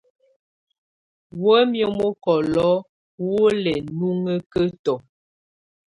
Wǝ́miǝ́ mɔkɔlɔ wɔ lɛ́ núŋǝ́kǝ́tɔ́.